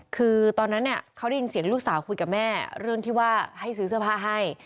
คือตอนนั้นเขาได้ยินเสียงลูกสาวคุยกับแม่เรื่องที่ว่าให้ซื้อเสื้อผ้าให้